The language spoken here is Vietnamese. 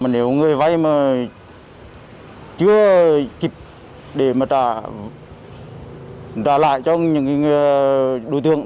nếu người vay chưa kịp để trả lại cho những đối tượng